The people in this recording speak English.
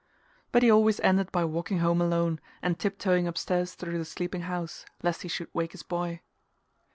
But he always ended by walking home alone and tip toeing upstairs through the sleeping house lest he should wake his boy....